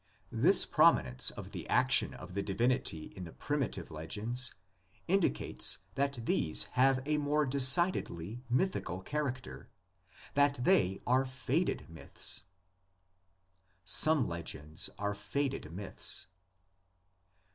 This prominence of the action of the divinity in the primitive legends indicates that these have a more decidedly "mythical" character: that they are faded myths. SOME LEGENDS ARE FADED MYTHS.